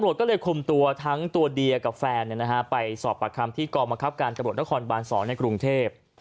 ตำรวจก็เลยคุมตัวทั้งตัวเดียกับแฟนไปสอบประคัมที่กองบังคับการตำรวจนครบาน๒ในกรุงเทพ